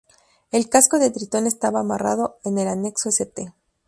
El casco de Tritón estaba amarrado en el anexo St.